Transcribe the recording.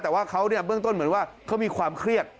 แต่ว่าเขาเนี่ยเบื้องต้นเหมือนว่าเขามีความเครียด